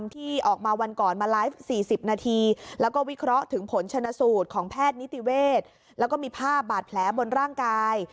ที่ออกมาวันก่อนมาไลฟ์๔๐นาที